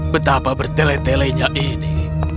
betapa bertele telenya ini